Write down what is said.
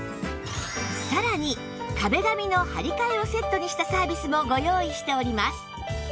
さらに壁紙の張り替えをセットにしたサービスもご用意しております